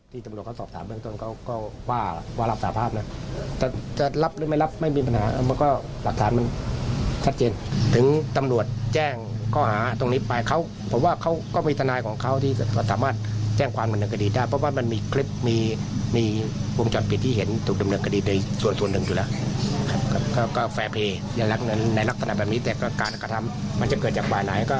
ที่ตำรวจเขาสอบสามเรื่องต้นเขาก็ว่าว่ารับสาธารณ์ภาพนะแต่จะรับหรือไม่รับไม่มีปัญหามันก็หลักฐานมันชัดเจนถึงตำรวจแจ้งก็หาตรงนี้ไปเขาเพราะว่าเขาก็มีสนายของเขาที่สามารถแจ้งความเหมือนกดีตได้เพราะว่ามันมีคลิปมีมีภูมิจอดปิดที่เห็นถูกดำเนินกดีตในส่วนส่วนหนึ่งสุดแล้ว